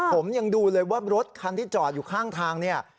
ผมยังดูเลยว่ารถคันที่จอดอยู่ข้างทางเนี่ย